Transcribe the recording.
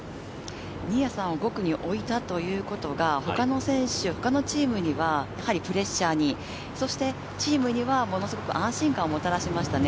新谷さんを５区に置いたということは他のチームにはプレッシャーに、チームにはものすごく安心感をもたらしましたね。